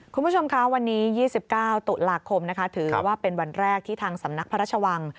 คุณผู้ชมคะวันนี้๒๙ตุลาคมนะคะถือว่าเป็นวันแรกที่ทางสำนักพระราชวัง